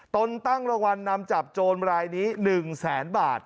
ตนตั้งรางวัลนำจับโจรรายนี้๑แสนบาท